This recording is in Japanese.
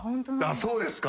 そうですか。